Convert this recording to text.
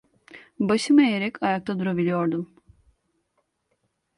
Başımı eğerek ayakta durabiliyordum.